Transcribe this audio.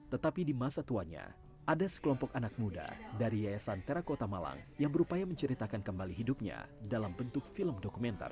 tetapi di masa tuanya ada sekelompok anak muda dari yayasan terakota malang yang berupaya menceritakan kembali hidupnya dalam bentuk film dokumenter